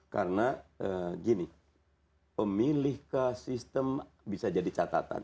karena gini pemilih ke sistem bisa jadi catatan